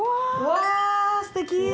うわーすてき！